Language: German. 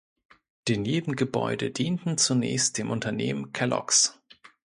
Die Nebengebäude dienten zunächst dem Unternehmen Kellogg’s.